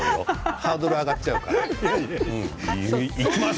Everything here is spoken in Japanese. ハードルが上がっちゃうから。